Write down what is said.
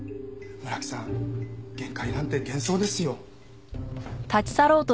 村木さん限界なんて幻想ですよ。